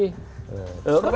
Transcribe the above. kan lebih diwakili